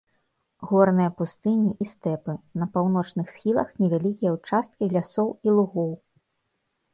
Горныя пустыні і стэпы, на паўночных схілах невялікія ўчасткі лясоў і лугоў.